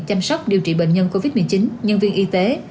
chăm sóc điều trị bệnh nhân covid một mươi chín nhân viên y tế